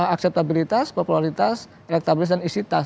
akseptabilitas popularitas elektabilitas dan isi tas